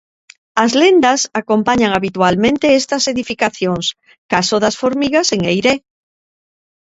As lendas acompañan habitualmente estas edificacións, caso das formigas en Eiré.